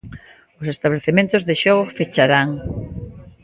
Os establecementos de xogo fecharán.